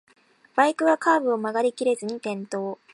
バイクがカーブを曲がりきれずに転倒